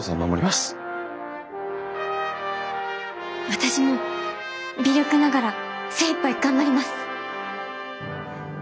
私も微力ながら精いっぱい頑張ります。